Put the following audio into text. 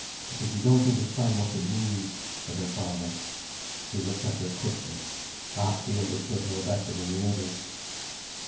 "Because you don't understand what it means," said her father. He looked at her quickly. Perhaps he understood her better than the others.